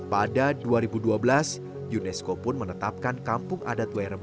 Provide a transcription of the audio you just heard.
pada dua ribu dua belas unesco pun menetapkan kampung adat wairebes